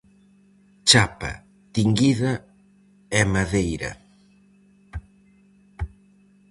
Chapa tinguida e madeira.